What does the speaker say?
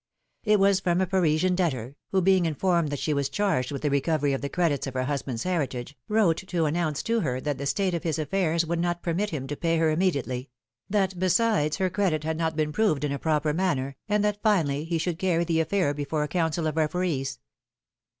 It was from a Parisian debtor, who being informed that she was charged with the recovery of the credits of her husband^s heritage, wrote to announce to her that the state of his affairs would not permit him to pay her immediately; that, besides, her credit had not been proved in a proper manner, and that finally he should carry the affair before a council of referees.